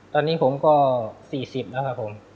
ตอนนี้ผมก็๔๐แล้วครับผม